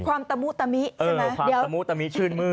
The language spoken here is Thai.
ความตะมุตะมิใช่ไหม